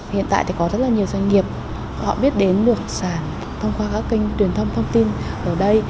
hiện tại thì có rất là nhiều doanh nghiệp họ biết đến được sản thông qua các kênh truyền thông thông tin ở đây